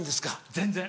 全然！